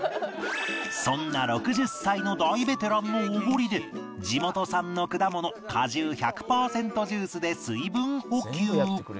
そんな６０歳の大ベテランのおごりで地元産の果物果汁１００パーセントジュースで水分補給